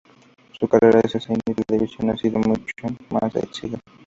Su carrera en cine y televisión ha sido mucho más exigua.